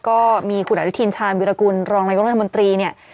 ก็มีคุณอดิทินชาญวิรากุลรองรายการมนตรี